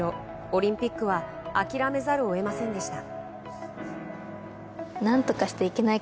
オリンピックは諦めざるを得ませんでした。